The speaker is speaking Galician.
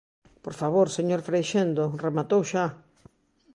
¡Por favor, señor Freixendo, rematou xa!